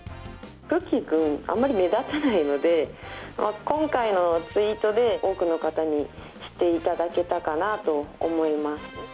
クッキーくん、あんまり目立たないので、今回のツイートで、多くの方に知っていただけたかなと思います。